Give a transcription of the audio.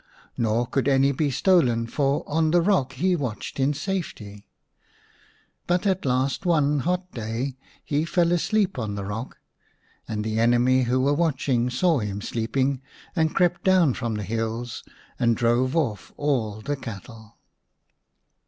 Nor could any be stolen, for on the rock he watched in safety. But at last one hot day he fell asleep on the rock, and the enemy who were watching saw him sleeping, and crept down from the hills and drove off all the cattle.